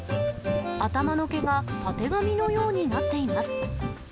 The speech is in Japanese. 頭の毛が、たてがみのようになっています。